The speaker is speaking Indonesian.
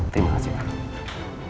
terima kasih pak